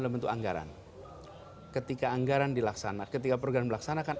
dalam bentuk anggaran ketika anggaran dilaksanakan ketika program melaksanakan